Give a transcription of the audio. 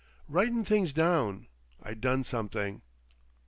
"Writin' things down—I done something."